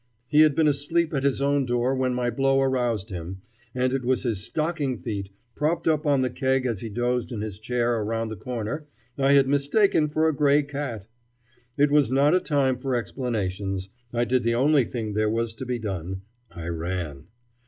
He had been asleep at his own door when my blow aroused him, and it was his stocking feet, propped up on the keg as he dozed in his chair around the corner, I had mistaken for a gray cat. It was not a time for explanations. I did the only thing there was to be done; I ran.